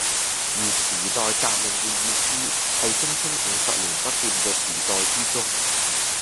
而「時代革命」嘅意思係聲稱五十年不變嘅時代之中